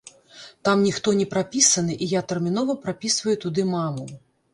Там ніхто не прапісаны, і я тэрмінова прапісваю туды маму.